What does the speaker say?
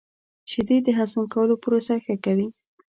• شیدې د هضم کولو پروسه ښه کوي.